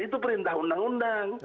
itu perintah undang undang